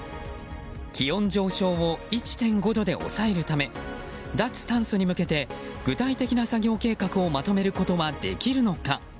気温上昇を１．５度で抑えるため脱炭素に向けて具体的な作業計画をまとめることはできるのか。